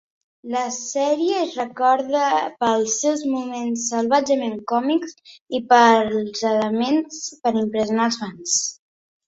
La sèrie es recorda pels seus moments salvatgement "còmics" i pels elements per impressionar els fans.